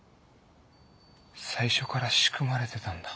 最初から仕組まれてたんだ。